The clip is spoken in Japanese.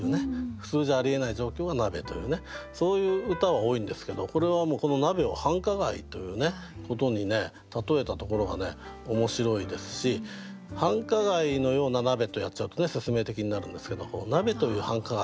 普通じゃありえない状況が鍋というねそういう歌は多いんですけどこれはもうこの鍋を繁華街ということに例えたところが面白いですし「繁華街のような鍋」とやっちゃうと説明的になるんですけど「鍋という繁華街」